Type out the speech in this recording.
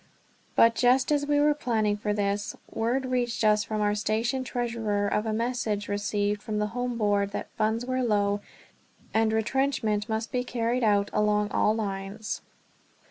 But, just as we were planning for this, word reached us from our station treasurer of a message received from the Home Board that funds were low, and retrenchment must be carried out along all lines.